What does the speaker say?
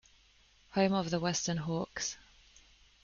Home of the Weston Hawks.